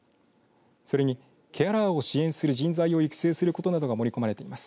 それに、ケアラーを支援する人材を育成することなどが盛り込まれています。